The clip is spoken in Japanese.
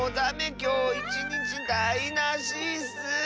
きょういちにちだいなしッス！